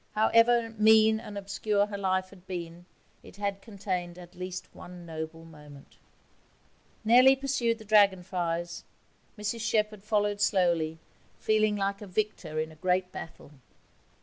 However mean and obscure her life had been, it had contained at least one noble moment. Nellie pursued the dragonflies; Mrs Shepherd followed slowly, feeling like a victor in a great battle.